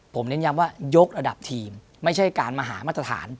ผมเน้นย้ำว่ายกระดับทีมไม่ใช่การมาหามาตรฐาน